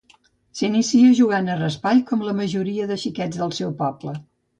S'inicia jugant a raspall com la majoria de xiquets del seu poble.